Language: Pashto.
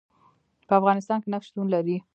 په افغانستان کې نفت شتون لري.